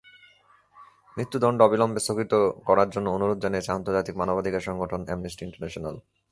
মৃত্যুদণ্ড অবিলম্বে স্থগিত করার জন্য অনুরোধ জানিয়েছে আন্তর্জাতিক মানবাধিকার সংগঠন অ্যামনেস্টি ইন্টারন্যাশনাল।